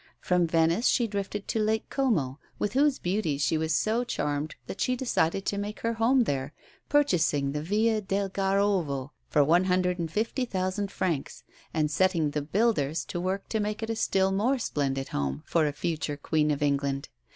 From Venice she drifted to Lake Como, with whose beauties she was so charmed that she decided to make her home there, purchasing the Villa del Garrovo for one hundred and fifty thousand francs, and setting the builders to work to make it a still more splendid home for a future Queen of England.